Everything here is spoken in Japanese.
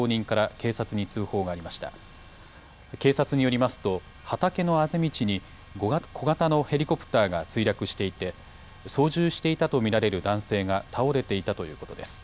警察によりますと畑のあぜ道に小型のヘリコプターが墜落していて操縦していたと見られる男性が倒れていたということです。